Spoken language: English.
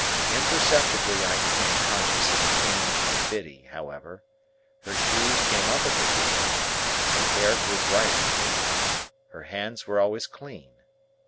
Imperceptibly I became conscious of a change in Biddy, however. Her shoes came up at the heel, her hair grew bright and neat, her hands were always clean.